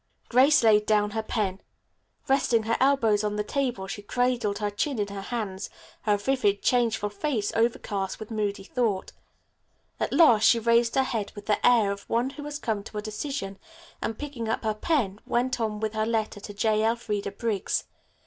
Grace laid down her pen. Resting her elbows on the table she cradled her chin in her hands, her vivid, changeful face overcast with moody thought. At last she raised her head with the air of one who has come to a decision, and, picking up her pen, went on with her letter to J. Elfreda Briggs.